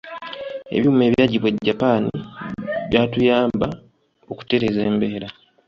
Ebyuma ebyaggibwa e Japan byatuyamba okutereeza embeera.